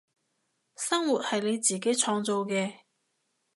生活係你自己創造嘅